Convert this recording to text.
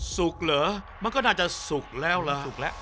สุกเหรอมันก็น่าจะสุกแล้วล่ะ